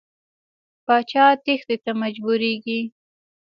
پاچا تېښتې ته مجبوریږي.